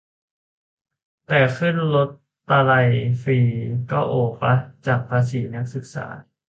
แต่ขึ้นรถตะลัยฟรี ก็โอป่ะ ? จากภาษีนักศึกษา